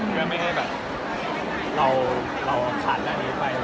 เพื่อไม่ให้แบบเราขาดรายไป